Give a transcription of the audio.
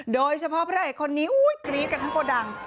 โดยเฉพาะพระเอกคนนี้กรี๊ดกันทั้งโกดัง